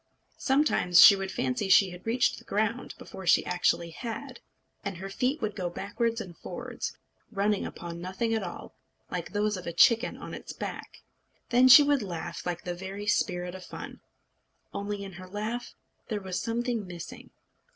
Sometimes she would fancy she had reached the ground before she actually had, and her feet would go backwards and forwards, running upon nothing at all, like those of a chicken on its back. Then she would laugh like the very spirit of fun; only in her laugh there was something missing.